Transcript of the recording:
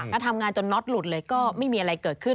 แล้วทำงานจนน็อตหลุดเลยก็ไม่มีอะไรเกิดขึ้น